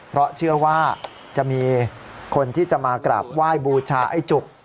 เพราะเชื่อว่าจะมีคนที่จะมากราบไหว้บูชาไอ้จุก